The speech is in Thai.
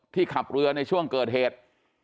ขับเรือในช่วงเกิดเหตุ